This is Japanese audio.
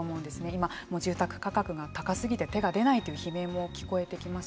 今、住宅価格が高すぎて手が出ないという悲鳴も聞こえてきます。